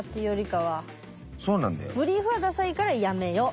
ブリーフはダサいからやめよう。